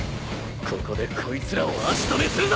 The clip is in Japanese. ここでこいつらを足止めするぞ。